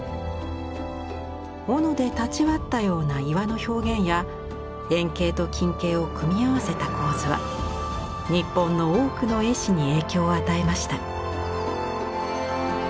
おので断ち割ったような岩の表現や遠景と近景を組み合わせた構図は日本の多くの絵師に影響を与えました。